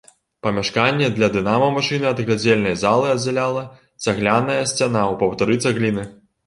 Памяшканне для дынама-машыны ад глядзельнай залы аддзяляла цагляная сцяна ў паўтары цагліны.